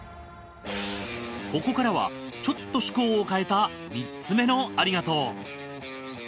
ここからはちょっと趣向を変えた３つ目のありがとう。